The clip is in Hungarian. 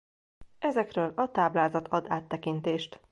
Ezekről a táblázat ad áttekintést.